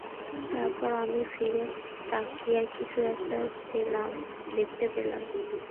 তারপর আমি ফিরে তাকিয়ে কিছু একটা দেখতে পেলাম।